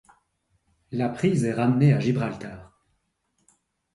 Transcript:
La prise est ramenée à Gibraltar.